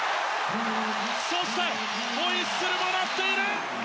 そしてホイッスルも鳴っている！